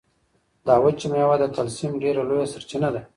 دا وچه مېوه د کلسیم ډېره لویه سرچینه ده.